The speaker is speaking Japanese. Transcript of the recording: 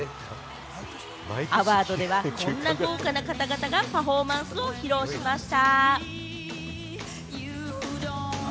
アワードでは、こんな豪華な方々がパフォーマンスを披露しました。